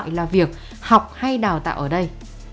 có cái gọi là việc học hay đào tạo ở đây